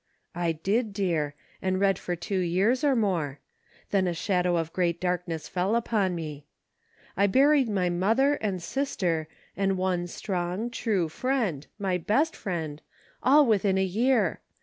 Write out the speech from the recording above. " I did, dear, and read for two years, or more ; then a shadow of great darkness fell upon me. I buried my mother, and sister, and one strong, true friend, — my best friend, — all within a year